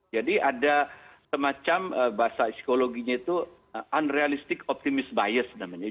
jadi ada semacam bahasa psikologinya itu unrealistic optimist bias namanya